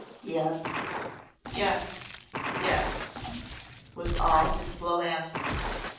"Yes. Yes. Yes," was all his slow answer.